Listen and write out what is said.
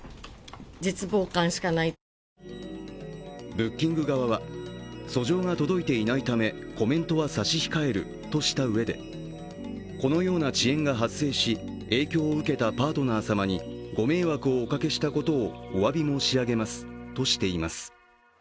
ブッキング側は訴状が届いていないためコメントは差し控えるとしたうえでこのような遅延が発生し、影響を受けたパートナー様にご迷惑をおかけしたことをおわび申し上げますとしています。